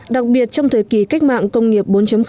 đặc biệt trong thời kỳ cách mạng công nghiệp bốn